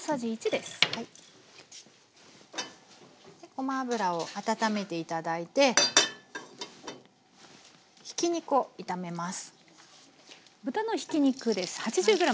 ごま油を温めて頂いてひき肉を炒めます。